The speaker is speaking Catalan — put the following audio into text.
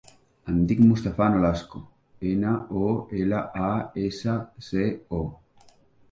Em dic Mustafa Nolasco: ena, o, ela, a, essa, ce, o.